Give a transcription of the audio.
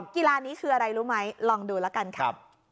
กีฬานี้คืออะไรรู้ไหมลองดูแล้วกันค่ะ